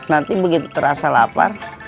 nanti begitu terasa lapar